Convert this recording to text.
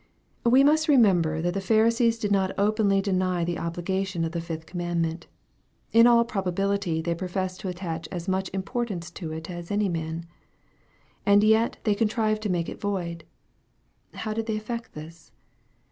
We must remember that the Pharisees did not openly deny the obligation of the fifth commandment. In all probability they pro fessed to attach as much importance to it as any men. And yet they contrived to make it void 1 How did they effect this